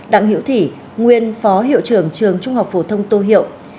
đặng hiễu thỉ nguyên phó hiệu trưởng trường trung học phổ thông tô hiệu